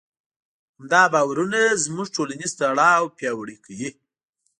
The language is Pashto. همدا باورونه زموږ ټولنیز تړاو پیاوړی کوي.